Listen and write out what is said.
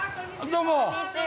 どうも。